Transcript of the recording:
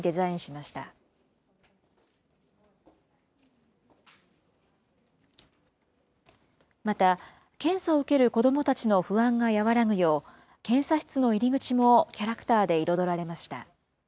また、検査を受ける子どもたちの不安が和らぐよう、検査室の入り口もキャラクターで彩られました。